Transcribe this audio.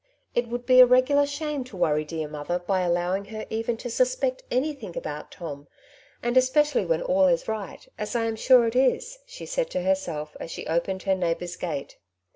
*^It would be a regular shame to worry dear mother by allowing her even to suspect anything about Tom, and especially when all is right, as I am sure it is," she said to herself, as she opened her neighbour's gate.